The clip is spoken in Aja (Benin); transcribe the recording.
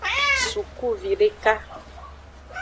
Sukuvideka.